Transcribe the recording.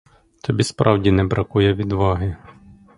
Тобі справді не бракує відваги.